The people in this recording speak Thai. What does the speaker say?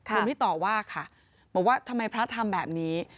คนที่ต่อว่าค่ะบอกว่าทำไมพระทำแบบนี้